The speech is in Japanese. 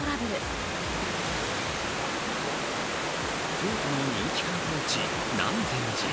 京都の人気観光地、南禅寺。